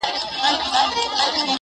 پرېږده چي لمبې پر نزله بلي کړي!